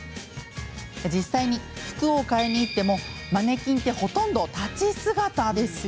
実際に、服を買いに行ってもマネキンはほとんど立ち姿。